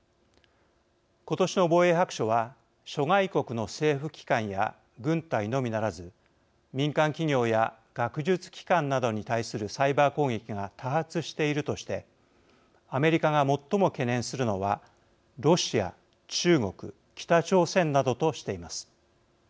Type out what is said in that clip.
今年の防衛白書は諸外国の政府機関や軍隊のみならず民間企業や学術機関などに対するサイバー攻撃が多発しているとしてアメリカが最も懸念するのはロシア中国北朝鮮などとしています。